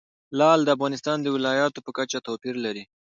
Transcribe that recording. لعل د افغانستان د ولایاتو په کچه توپیر لري.